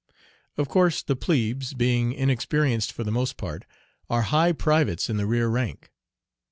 Of course the plebes, being inexperienced for the most part, are "high privates in the rear rank."